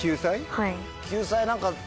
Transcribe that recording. はい。